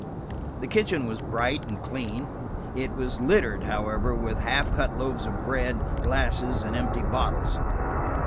The kitchen was bright and clean; it was littered, however, with half cut loaves of bread, glasses and empty bottles.